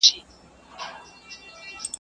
د قسمت په شکایت نه مړېدله `